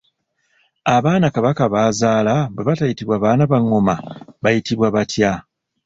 Abaana Kabaka b’azaala bwe batayitibwa baana ba ngoma bayitibwa batya?